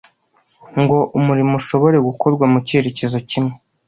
ngo umurimo ushobore gukorwa mu cyerekezo kimwe